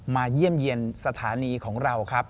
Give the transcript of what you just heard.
เยี่ยมเยี่ยมสถานีของเราครับ